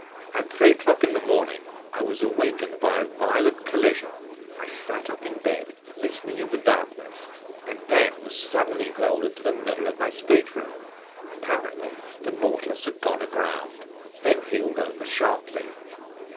At three o'clock in the morning, I was awakened by a violent collision. I sat up in bed, listening in the darkness, and then was suddenly hurled into the middle of my stateroom. Apparently the Nautilus had gone aground, then heeled over sharply.